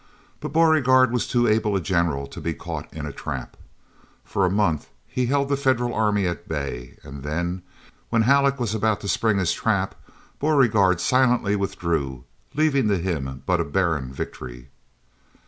But Beauregard was too able a general to be caught in a trap. For a month he held the Federal army at bay, and then, when Halleck was about to spring his trap, Beauregard silently withdrew, leaving to him but a barren victory.